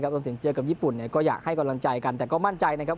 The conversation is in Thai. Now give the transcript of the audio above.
รวมถึงเจอกับญี่ปุ่นก็อยากให้กำลังใจกันแต่ก็มั่นใจนะครับ